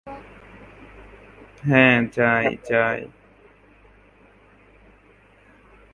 তবে কিছু আধুনিক ইতিহাসবিদদের মতে তিনি স্বাস্থ্যগত কারণে স্বাভাবিকভাবে মারা যান।